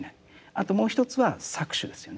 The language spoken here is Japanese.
あともう一つは搾取ですよね。